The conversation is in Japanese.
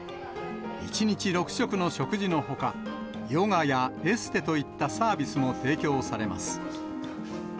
１日６食の食事のほか、ヨガやエステといったサービスも提供されます。